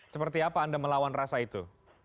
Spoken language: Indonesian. seperti apa anda melawan rasa itu